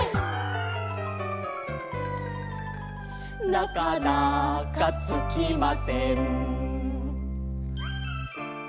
「なかなかつきません」